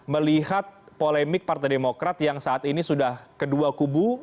melihat polemik partai demokrat yang saat ini sudah kedua kubu